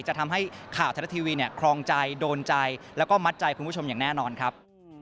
จะทำให้ข่าวไทยรัฐทีวีเนี่ยครองใจโดนใจแล้วก็มัดใจคุณผู้ชมอย่างแน่นอนครับ